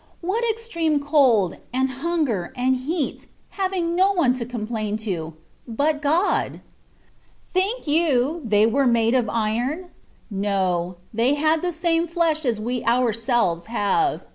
What extreme cold, and hunger, and heat, having no one to complain to — but God ! Think you, they were made of iron ? No, they had the same flesh as we ourselves have.